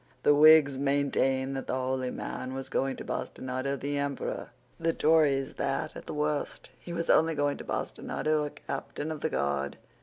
The Whigs maintained that the holy man was going to bastinado the Emperor; the Tories that, at the worst, he was only going to bastinado a captain of the guard.